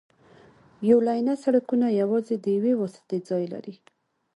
یو لینه سړکونه یوازې د یوې واسطې ځای لري